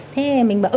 thế mình bảo ừ